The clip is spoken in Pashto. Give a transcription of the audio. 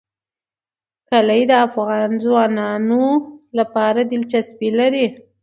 کلي د افغان ځوانانو لپاره دلچسپي لري.